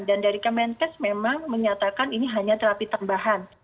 dan dari kementerian pes memang menyatakan ini hanya terapi tambahan